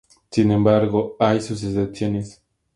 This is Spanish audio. Sin embargo, hay sus excepciones.